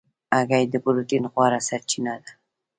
هګۍ د پروټین غوره سرچینه ده.